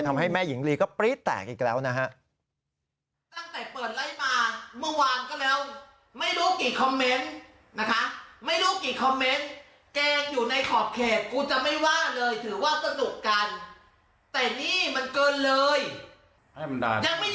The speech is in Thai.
ทำให้แม่หญิงลีก็ปรี๊ดแตกอีกแล้วนะฮะ